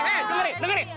dengar dengerin dengerin dulu